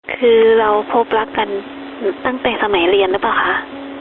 คือเราพบรักกันตั้งแต่สมัยเรียนหรือเปล่าคะ